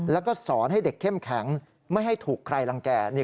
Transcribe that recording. แล้วก็สอนให้เด็กเข้มแข็งไม่ให้ถูกใครรังแก่